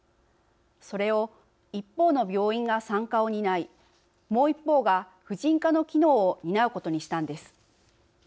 それを、一方の病院が産科を担いもう一方が婦人科の機能を担うことにしたんです。